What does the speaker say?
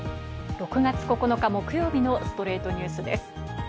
６月９日、木曜日の『ストレイトニュース』です。